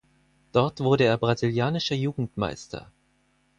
Dort wurde er brasilianischer Jugendmeister.